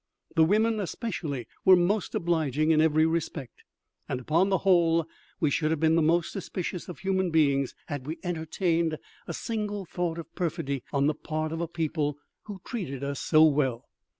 The women especially were most obliging in every respect, and, upon the whole, we should have been the most suspicious of human beings had we entertained a single thought of perfidy on the part of a people who treated us so well.